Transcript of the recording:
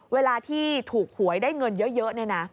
เวลาที่ถูกหวยได้เงินเยอะเนี่ยนะ